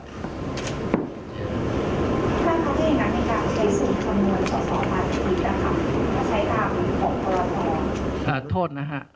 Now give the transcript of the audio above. ท่านพระเจ้าอย่างไรในการใช้สูตรคำนวณสอบบัญชีรายชื่อ